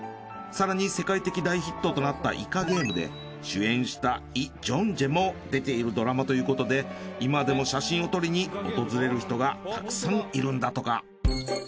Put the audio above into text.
更に世界的大ヒットとなった『イカゲーム』で主演したイ・ジョンジェも出ているドラマということで今でも写真を撮りに訪れる人がたくさんいるんだとか。